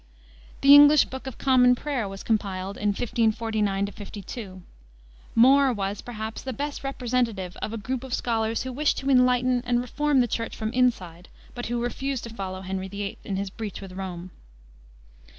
The English Book of Common Prayer was compiled in 1549 52. More was, perhaps, the best representative of a group of scholars who wished to enlighten and reform the Church from inside, but who refused to follow Henry VIII. in his breach with Rome.